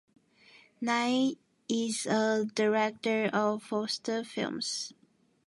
Nighy is a director of Foster Films.